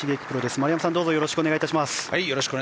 丸山さん、どうぞよろしくお願いします。